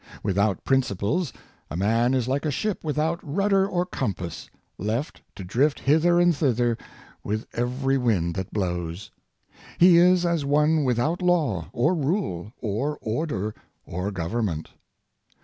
Without principles, a man is like a ship without rudder or compass, left to drift hither and thither with every wind that blows. He is as one without law, or rule, or order, or government.